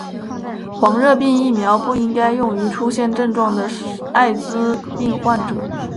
黄热病疫苗不应该用于出现症状的爱滋病患者。